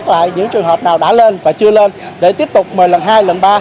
và soát lại những trường hợp nào đã lên và chưa lên để tiếp tục mời lần hai lần ba